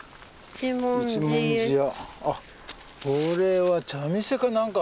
一文字屋。